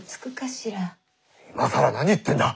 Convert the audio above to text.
今更何言ってんだ。